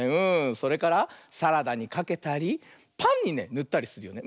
それからサラダにかけたりパンにねぬったりするよね。